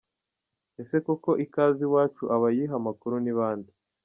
Ese koko Ikaze Iwacu abayiha amakuru ni bande ?